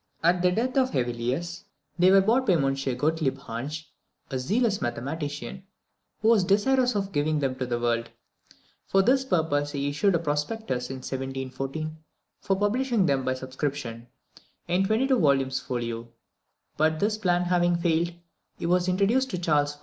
At the death of Hevelius they were bought by M. Gottlieb Hansch, a zealous mathematician, who was desirous of giving them to the world. For this purpose he issued a prospectus in 1714 for publishing them by subscription, in 22 volumes folio; but this plan having failed, he was introduced to Charles VI.